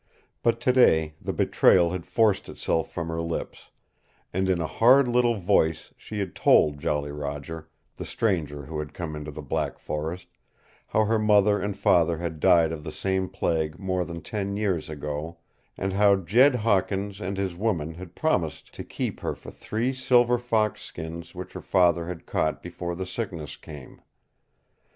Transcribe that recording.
But today the betrayal had forced itself from her lips, and in a hard little voice she had told Jolly Roger the stranger who had come into the black forest how her mother and father had died of the same plague more than ten years ago, and how Jed Hawkins and his woman had promised to keep her for three silver fox skins which her father had caught before the sickness came.